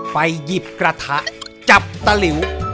ไปหยิบกระทะจับตะหลิว